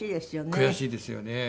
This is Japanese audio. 悔しいですよね。